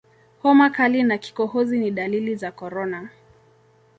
homa kali na kikohozi ni dalili za korona